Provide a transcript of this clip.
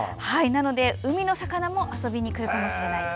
なので海の魚も遊びに来るかもしれない。